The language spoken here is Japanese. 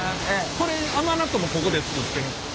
これ甘納豆もここで作ってるんですか？